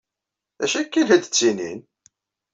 D acu akka ay la d-ttinin?!